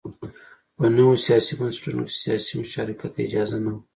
په نویو سیاسي بنسټونو کې سیاسي مشارکت ته اجازه نه وه.